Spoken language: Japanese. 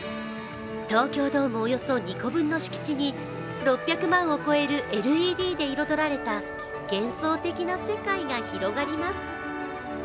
東京ドームおよそ２個分の敷地に６００万を超えるＬＥＤで彩られた幻想的な世界が広がります。